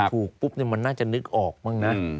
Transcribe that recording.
ถูกปุ๊บมันน่าจะนึกออกมั้งนะ